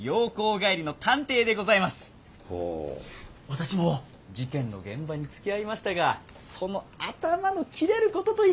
私も事件の現場につきあいましたがその頭の切れることといったらハッハッハッハッ。